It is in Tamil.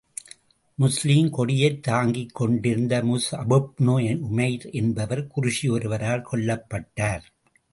முஸ்லிம் கொடியைத் தாங்கிக் கொண்டிருந்த முஸ்அபுப்னு உமைர் என்பவர் குறைஷி ஒருவரால் கொல்லப்பட்டார்.